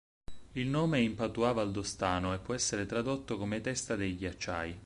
Il nome è in patois valdostano e può essere tradotto come "testa dei ghiacciai".